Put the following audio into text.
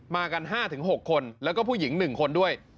มากัน๕๖คนแล้วก็ผู้หญิง๑คนด้วย